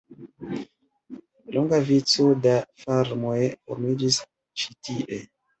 Longa vico da farmoj formiĝis ĉi tie.